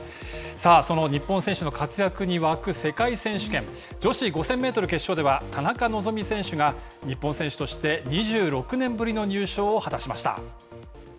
その日本選手の活躍に沸く世界選手権女子５０００メートル決勝では田中希実選手が日本選手として２６年ぶりの入賞を果たしました。